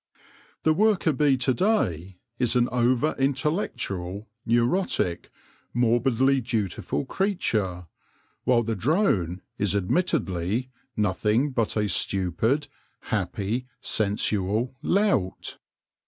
The worker bee to day is an over intellectual neurotic, morbidly dutiful creature, while the drone is admittedly nothing but a stupid, happy, sensual lout.